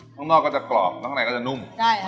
ข้างนอกก็จะกรอบข้างในก็จะนุ่ม